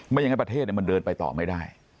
ไม่ยังไงประเทศเนี่ยมันเดินไปต่อไม่ได้